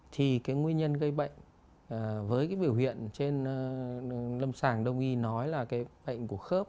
thì cái nguyên nhân gây bệnh với cái biểu hiện trên lâm sàng đông y nói là cái bệnh của khớp